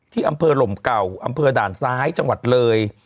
ที่อำเภอหลมเก่าอำเภอด่านซ้ายจังหวัดเลย